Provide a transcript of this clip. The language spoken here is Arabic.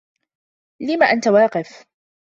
لم أنت واقف؟